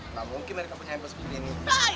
nggak mungkin nanti nggak punya handphone sebegini